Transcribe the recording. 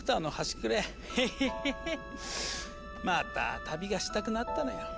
また旅がしたくなったのよ。